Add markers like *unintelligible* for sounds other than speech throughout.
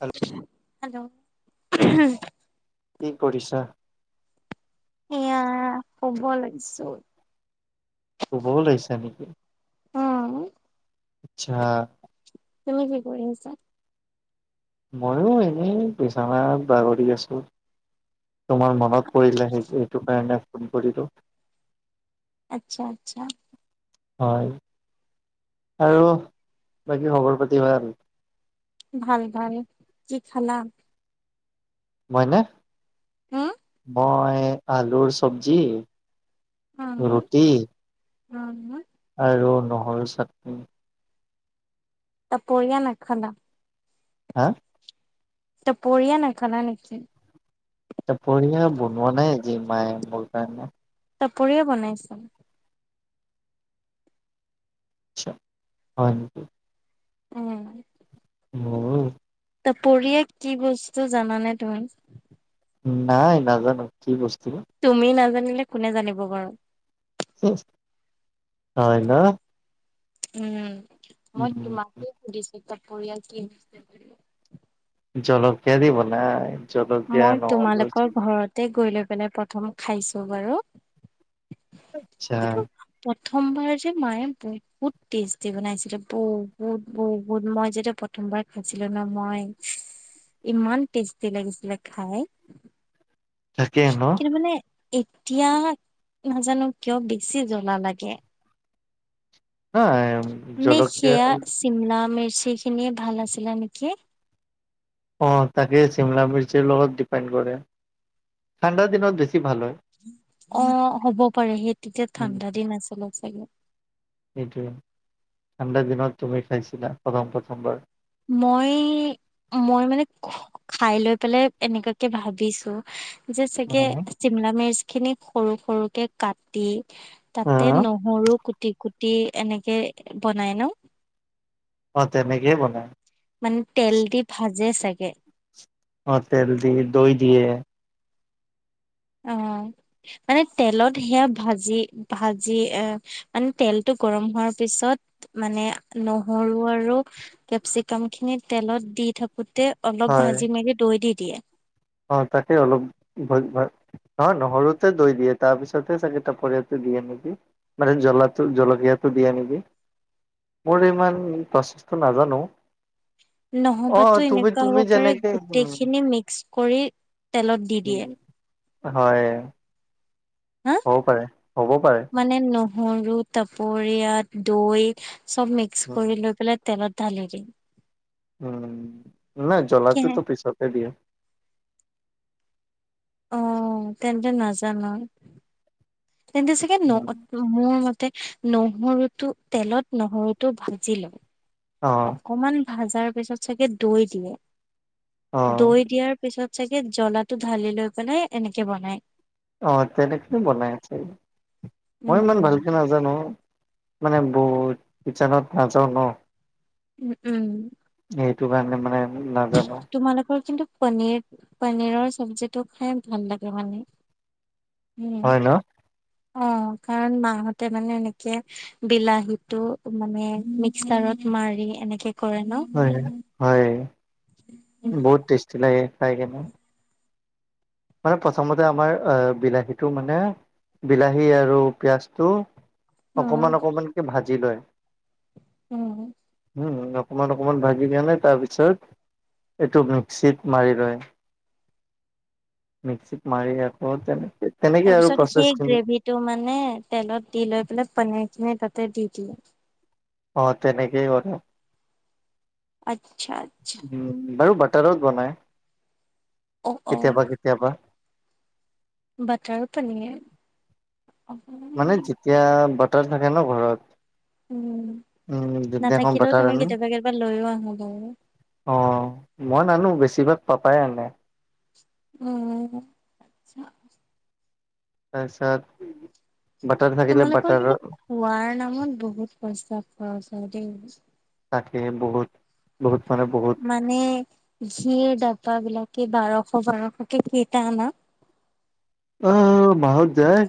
Hello hello হু কি কৰিছা? এয়া শুব লাগিছো শুবও লাগিছা নেকি? উম আচ্ছা তুমি কি কৰি আছা? মইয়ো এনেই বিচানাত বাগৰি আছো তোমাৰ মনত পৰিলে সেই সেইটো কাৰণে ফোন কৰিলোঁ। আচ্ছা আচ্ছা হয় আৰু বাকী খবৰ পাতি হয় আৰু ভাল ভাল কি খালা মইনে হুউ মই আলুৰ চব্জি উম ৰুটি উম আৰু নহৰু চাটনি তা পৰিয়া নখালা হা এ ত পৰিয়া নাখালা নেকি? দুপৰিয়া বনোৱা নাই আজি মায়ে মোৰ কাৰণে চাপৰিয়ে বনাইছ আচ্ছা হয় নেকি? উম মোৰো ত পৰিয়াক কি বস্তু জানানে তুমি? নাই নাজানো কি বস্তু? তুমি নাজানিলে কোনে জানিব বাৰু হয় ন? উম মই উম তোমাকে সুধিছো পৰিয়াল কিন। জলকীয়া দিব নাই। মই তোমালোকৰ ঘৰতে গৈ লৈ মানে প্ৰথম খাইছো বাৰু আচ্ছা কি প্ৰথমবাৰ যে মায়ে বহুত টেষ্টি বনাইছিলে বহুত বহুত মই যেতিয়া প্ৰথ বাৰ খাইছিলো ন মই ইমান টেষ্টি লাগিছিলে। খায়। তাকে ন। এতিয়া নাজানো কিয় বেছি জ্বলা লাগে। হা নেখ জলকীয়া শিমলা মে। সেইখিনি ভাল আছিলা নেকি? অ তাকে চিমলা মিচিৰ লগত ডিপেণ্ড কৰে ঠাণ্ডা দিনত বেছি। ভাল হয় অ হ'ব পাৰে, সেই তেতিয়া ঠাণ্ডা দিন আছিলে চাগে? এইটোোৱ ঠাণ্ডাৰ দিনত তুমি খাইছিলা প্ৰথম প্ৰথমবাৰ। মই অ, মই মানে খাই লৈ পেলাই এনেকুৱাকে ভাবিছো। যে চাগে অ চিমলা মিচ খিনি সৰু সৰুকে কাটি তাতে নহৰু কুটি কুটি এনেকে বনাই ন? অ তেনেক বনাই। মানে তেল দি ভাজে চাগে? অ তেল দি দৈ দিয়ে। অ মানে তেলত সেয়া ভাজি ভাজি আহ মানে তেলটো গৰম হোৱাৰ পিছত মানে নহৰু আৰু কেপ্চি গাম খিনি তেলত দি থ গোতে অলপ হয় ভাজি মেলি দৈ দি দিয়ে। অ তাকে অলপ ভ ভ ন নহৰুতে দৈ দিয়ে তাৰ পিছতেে চাগে টাাপৰীয়াাতটো দিয়ে নেকি মানে জ্বলাটো জলকীয়াত দিয়া নেকি মোৰ ইমান প্ৰচেছটো নাজানো। অ নহবাতো তুমি এনেকুৱা তুমি হ'ব পাৰে যেনেকে গোটেই উম, খিনি মিক্স কৰি তেলত দি উম দিয়ে। হয়। হা হ'ব পাৰে, হ'বও পাৰে। সৰু চৰিয়াত দৈ চব মিক্স উম। কৰি লৈ পেলাই তেলত ধালি কি উম নাই জ্বলাটোতো পিছতে দিয়ে। অ তেন্তে নাজানো। তেন্তে চাগে ন উম। মো মোৰ তে, নহৰুটো তেলত নহৰুটো ভাজি ল। অ', অকমান ভাজাৰ পিছত চাগে দৈ দিয়ে। অ', দৈ দিয়াৰ পিছত চাগে জ্লাটো ঢালি লৈ পেলাই এনেকে বনাই। অ তেনেকেই বনাই আছে। মই উম ইমান ভালকে নাজানো। মানে বহুত, কিচনত নাযাও ন। উম উম। সেইটো কাৰণে মানে নাজানো, তোমালোকৰ কিন্তু পনীৰ, পনীৰৰ চব্জিটো খাই ভাল লাগে মানে। উম হয় ন? অ। কাৰণ মাহতে মানে এনেকে বিলাহীতটো মানে মিক্সাৰত মাৰি এনেকে কৰে ন হয় হয়। বহুত টেষ্টি লাগে খাই কেনে। মানে প্ৰথমতে আমাৰ বিলাহীটো মানে বিলাহী আৰু পিয়াঁজটো অ অকমান অকমানকে ভাজি লয়। উম। উম অকমান অকমান ভাজি নিয়ালে তাপিছত এইটো মিক্সিত মাৰি লয়। মিক্সিত মাৰি আকৌ তেনে তাৰ পিছত সেই গ্ৰেভিটো মানে তেলত দি লৈ পেলাই পনীৰ খিনি তাত তাতে দি দিওঁ অ তেনেকে বনাই আচ্ছা আচ্ছা। বাৰু বাটাৰত বনাই অ অ কেতিয়াবা কেতিয়াবা। বাটাৰ পনীৰ। মানে যেতিয়া বাটাৰ থাকে ন ঘৰত উম, উম যোনদিনাখন নাথাকিলেও বাটাৰ তুমি আনো কেতিয়াবা কেতিয়াবা লৈয়ো আহো গৈ অ, মই নানো, বেছিভাগ পাপাই আনে। উম, আচ্ছা তাৰপিছত বাটাৰ থাকিলে তোমালোকৰ বাটাৰ কিন্তু খোৱাৰ নামত বহুত পইচা খৰচ হয় দেই। তাকে বহুত বহুত। মানে বহুত মানে ঘিৰ ডবা বিলাক কি বাৰশ বাৰশকে কেইটা আনা? আহ মাহত যায়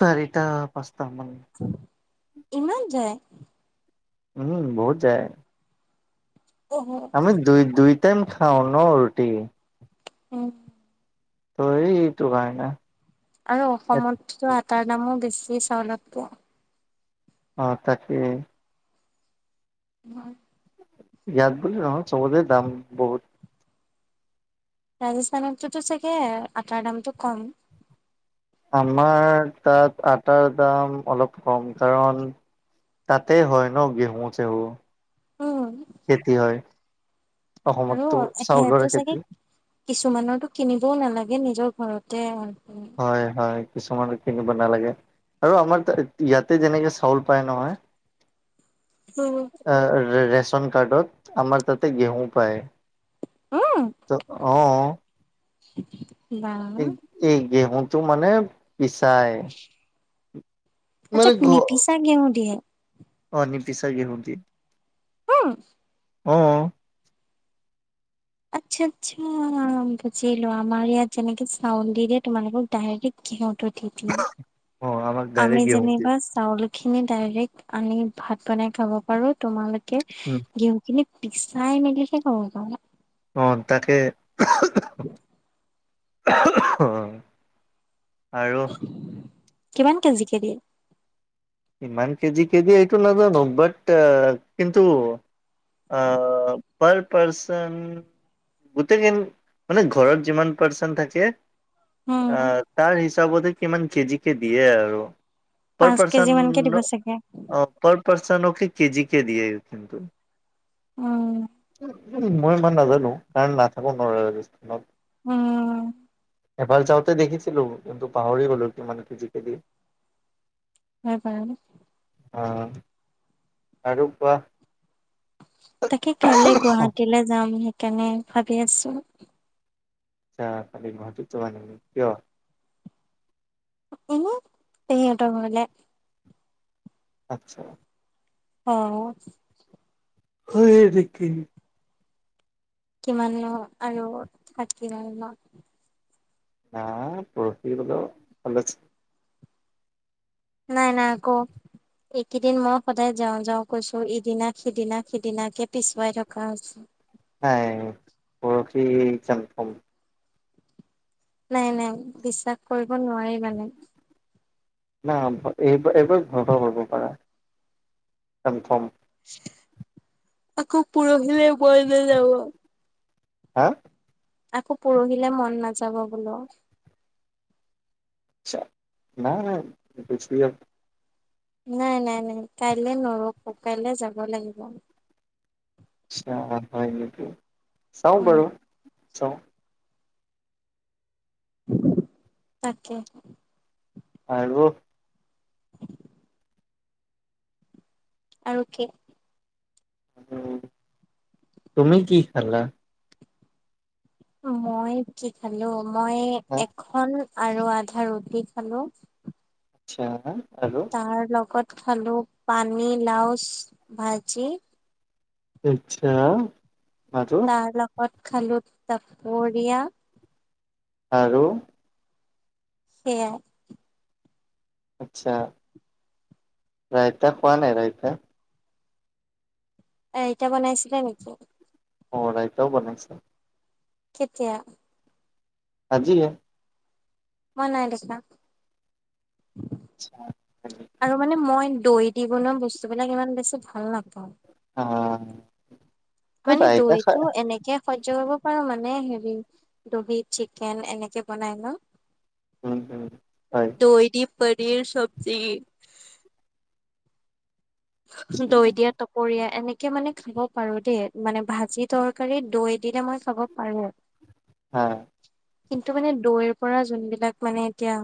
চাৰিটা পাঁচটা মান। ইমান যায়। উম, বহুত যায়। অ' আমি দুই দুই টাইম খাওঁ ন ৰুটি। উম। ত' এই এইটো কাৰণে। আৰু অসমততো আটাৰ দামো বেছি চাউলত কে অ, তাকে। হয় ইয়াত বুলি নহয় চবতে দাম বহুত। ৰাজস্থানততোতো চাগে আটাৰ দামটো কম আমাৰ তাত আটাৰ দাম অলপ কম কাৰণ তাতে হয় ন গেহু-চেহু উম খেতি হয়। আৰু অসমততো চাউলৰে সিহঁতো চাগে খেতি কিছুমানৰ টো কিনিবও নেলাগে, নিজৰ ঘৰতে হয় হয়, হয়। কিছুমানৰ কিনিব নেলাগে। আৰু আমাৰ ইয়াতে যেনেকে চাউল পায় নহয়। আহ ৰে ৰেচন কাৰ্ডত আমাৰ তাতে ঘেঁহু পায়। অঅ *unintelligible* এই এই ঘেঁহুটো মানে পিচাই আচ্ছা, মানে ঘ নিপিচা ঘেঁহু দিয়ে। অ নিপিচা ঘেঁহু দিয়ে। অ অঅ। আচ্ছা, আচ্ছা বুজিলো আমাৰ ইয়াত যেনেকে চাউল দি দিয়ে তোমালোকক ডাইৰেক্ট ঘেঁহু টো দি দিয়ে। অ আমাক ডাইৰেক্ট আমি গেহু দিয়ে যেনিবা চাউল খিনি ডাইৰেক্ট আনি ভাত বনাই খাব পাৰোঁ, তোমালোকে উম ঘেঁহু খিনি পিছাই মিলে হে খাব পাৰা ন। অ, তাকে। অ, আৰু কিমান কেজি কে দিয়ে? কিমান কেজি যে দিয়ে এইটো নাজানো বাট কিন্তু আ পাৰ পাৰ্চন, গোটেই মানে ঘৰত যিমান পাৰ্চন থাকে উম তাৰ হিচাপতে কিমান কেজি কে দিয়ে আৰু তাৰ পাঁচ পাছত *inaudible* কেজি মানকে দিব চাগে অ পা পাৰ্চনক কেজি কে দিয়ে কিন্তু। উম। উম, মই ইমান নাজানো কাৰণ নাথাকো নোৱাৰো ৰাজস্থানত। উম এবাৰ যাওঁতে দেখিছিলো কিন্তু পাহৰি গলো কি মানে কেজিকে দিয়ে। সেই পাই অ' আৰু কোৱা? তাকে কাইলে গুৱাহাটীলৈ যাম সেইকাৰণে ভাবি আছো আচ্ছা, কালি গুৱাহাটীৰ যাবা নেকি কিয়? এনে পেহীহতৰ ঘৰলে। আচ্ছা। অ। হয় নেকি? কিমাননো আৰু থাকিম ন। বা পৰখি হলেও কলেজ নাই নাই ক এইকেইদিন মই সদায় যাওঁ যাওঁ কৈছো ইদিনা সিদিনা সিদিনাকে পিছুৱাই থকা হৈছে। হাই পৰখি তেতিয়া কন নাই নাই বিশ্বাস কৰিব নোৱাৰি মানে। না এইব এইবাৰ কণফৰ্ম কৰিব পাৰা কণফৰ্ম। আকৌ পৰহিলে মন নাযাব। হা! আকৌ পৰহিলে মন নাযাব বোলো। চে নাই নাই বেছি আ নাই নাই নাই কাইলে নৰখো কাইলৈ যাব লাগিব। হয় নেকি চাও উম বাৰো চাও। তাকে। আৰু আৰু কি? তুমি কি খালা? মই কি খালো মই এখন আৰু আধা ৰুটি খালো। আচ্ছা। আৰু তাৰ লগত খালো পানী, লাওছ ভাজি আচ্ছা। আৰু তাৰ লগত খালো পৰীয়া আৰু সেয়াই। আচ্ছা, ৰাইতা খোৱা নাই ৰাইতা? এ এতিয়া বনাইছিলা নেকি? অ ৰাইতাও বনাইছে। কেতিয়া? আজিয়ে। মই নাই দেখা আচ্ছা আৰু মানে মই। দৈ দি বনোৱা বস্তুবিলাক ইমান বেছি ভাল নাপাওঁ। অ। মানে দৈ টো এনেকে সহ্য কৰিব পাৰো মানে। মানে হেৰি দহি চিকেন এনেকে বনাই ন। উম উম দৈ দি পনীৰ চবজি। হয় দৈ দিয়া টপৰিয়াই। এনেকে মানে খাব পাৰো দেই মানে ভাজি তৰকাৰী দৈ দিলে মই খাব পাৰো। হা কিন্তু মানে দৈৰ পৰা যোনবিলাক মানে এতিয়া।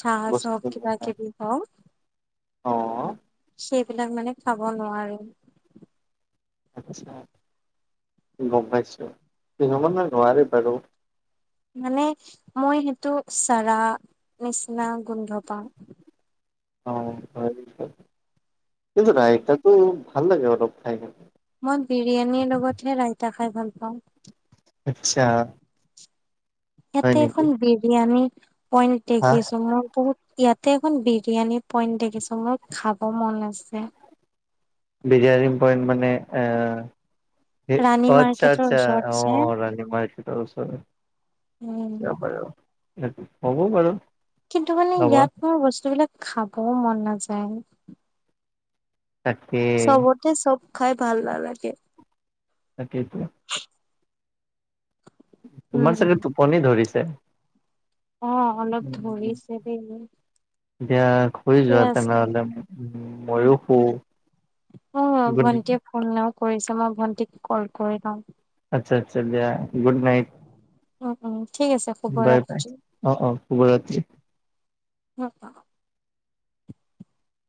চা বস্তু জপ কিবা কিবি অ হওক। সেই বিলাক মানে খাব নোৱাৰো। আচ্ছা গম পাইছো কিছুমানে নোৱাৰে বাৰু। মানে মই সেইটো চাৰা। নিচিনা গুন্ধ পাও। উম ৰাইতাতো ভাল লাগে অলপ খাইকিনে। মই বিৰিয়ানীৰ লগতহে ৰাইতা খাই ভাল পাওঁ। আচ্ছা। হয় ইয়াতে নেকি এখন বিৰিয়ানি হা পইন্টদেখিছো মোৰ বহুত। ইয়াতে এখন বিৰিয়ানী পইণ্ট দেখিছো মোৰ খাব মন আছে। বিৰিয়ানী পইন্ট মানে এ। ৰাণী আচ্ছা মাৰ্কেটৰ আচ্ছা ওচৰত অ যে ৰানীমাৰকেতৰ ওচৰত। উম। এইটো হ'ব বাৰু। কিন্তু মানে যাবা ইয়াত মোৰ বস্তুবিলাক খাবও মন নাযায়। তাকে চবতে চব খাই ভাল নালাগে। তাকেইটো। তোমাৰ উম চাগে টোপনি ধৰিছে। অ অলপ ধৰিছে দেই। এতিয়া শুই যোৱা আছে তেনেহলে দিয়া। উ উম, মইয়ো শু। অ গুড ভন্টিয়ে ফোনও কৰিছে মই ভন্টিক কল কৰি লম। আচ্ছা আচ্ছা দিয়া গুড নাইট। উম উম ঠিক আছে বাই বাই শুভৰাত্ৰি অ অ শুভৰাত্ৰী। *unintelligible*